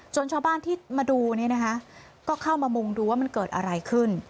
จนชาวบ้านที่มาดูก็เข้ามามุงดูว่ามันเกิดอะไรขึ้น